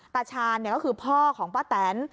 ตาชาญก็คือพ่อของป้าแตน